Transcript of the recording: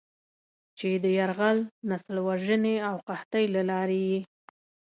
چې د "يرغل، نسل وژنې او قحطۍ" له لارې یې